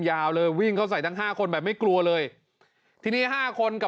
ยาวเลยวิ่งเข้าใส่ทั้งห้าคนแบบไม่กลัวเลยทีนี้ห้าคนกับ